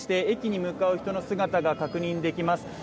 駅に向かう人の姿が確認できます。